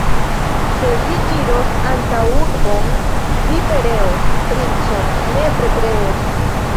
Se vi iros antaŭurbon, vi pereos, princo, nepre pereos!